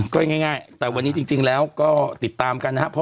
ก็ง่ายแต่วันนี้จริงแล้วก็ติดตามกันนะครับ